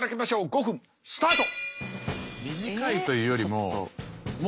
５分スタート。